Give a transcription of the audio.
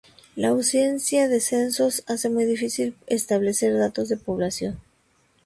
La ausencia de censos hace muy difícil establecer datos de población.